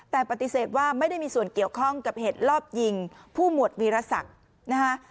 แต่ปฏิเสธว่าไม่ได้มีส่วนเกี่ยวข้องกับเหตุรอบยิงผู้หมวดวีรศักดิ์นะคะ